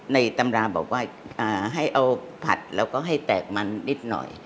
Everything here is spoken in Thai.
ตำราบอกว่าให้เอาผัดแล้วก็ให้แตกมันนิดหน่อย